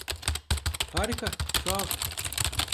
Harika, sağ ol.